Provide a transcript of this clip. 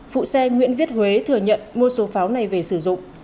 phụ xe nguyễn viết huế thừa nhận mua số pháo này về sử dụng